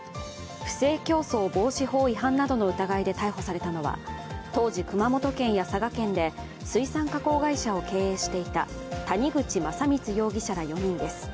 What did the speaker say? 不正競争防止法違反などの疑いで逮捕されたのは当時、熊本県や佐賀県で水産加工会社を経営していた谷口正光容疑者ら４人です。